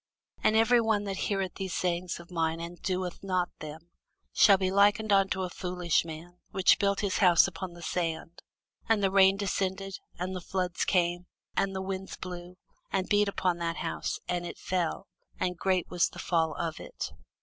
And every one that heareth these sayings of mine, and doeth them not, shall be likened unto a foolish man, which built his house upon the sand: and the rain descended, and the floods came, and the winds blew, and beat upon that house; and it fell: and great was the fall of it.